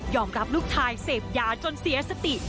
รับลูกชายเสพยาจนเสียสติ